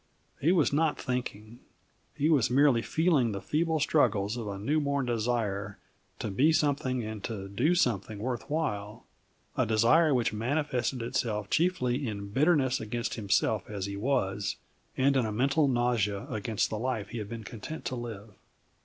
He was not thinking; he was merely feeling the feeble struggles of a newborn desire to be something and do something worth while a desire which manifested itself chiefly in bitterness against himself as he was, and in a mental nausea against the life he had been content to live.